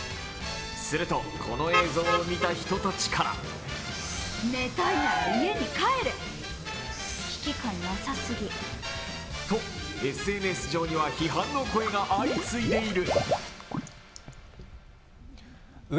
すると、この映像を見た人たちからとＳＮＳ上には批判の声が相次いでいる。